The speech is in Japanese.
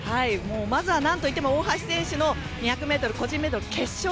まずは何といっても大橋選手の２００ｍ個人メドレー決勝。